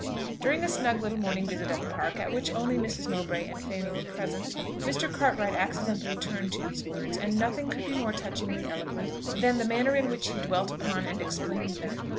During a snug little morning visit at the Park, at which only Mrs. Mowbray and Fanny were present, Mr. Cartwright accidentally turned to these words; and nothing could be more touchingly eloquent than the manner in which he dwelt upon and explained them.